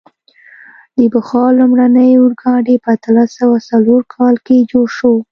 د بخار لومړنی اورګاډی په اتلس سوه څلور کال کې جوړ شو.